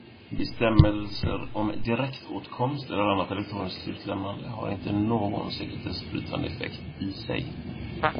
Bestämmelser om direktåtkomst eller annat elektroniskt utlämnande har inte någon sekretessbrytande effekt i sig.